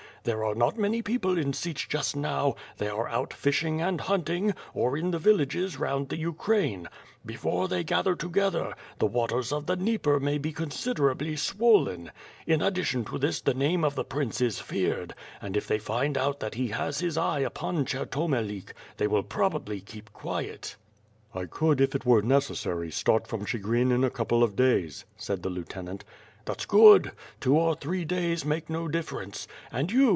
There are not many people in Sich just now; they are out fishing and hunting, or in the villages round about the Ukraine. Before they gather together, the waters of the Dnieper may be considerably swollen. In ad dition to this the name of the Prince is feared, and if they find out that he has his eye upon Chertomelik they will prob ably keep quiet.'' "I could, if it were necessary, start from Chigrin in a couple of days," said the lieutenant. "That's good. Two or three days make no difference. And you.